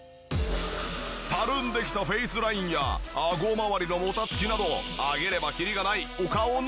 たるんできたフェイスラインやアゴまわりのもたつきなど挙げればキリがないお顔の悩み。